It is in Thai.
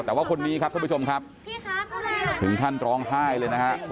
แต่ว่าคนนี้ครับท่านผู้ชมครับถึงขั้นร้องไห้เลยนะฮะ